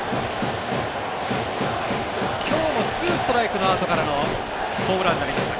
今日もツーストライクのあとからのホームランになりました。